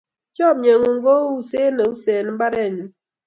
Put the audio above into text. Chomye ng'ung' kou uset ne usei eng' mbarennyu.